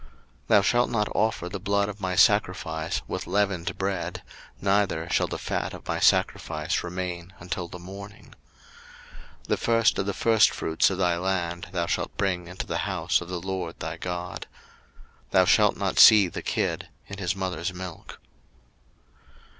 02:023:018 Thou shalt not offer the blood of my sacrifice with leavened bread; neither shall the fat of my sacrifice remain until the morning. 02:023:019 The first of the firstfruits of thy land thou shalt bring into the house of the LORD thy God. Thou shalt not seethe a kid in his mother's milk.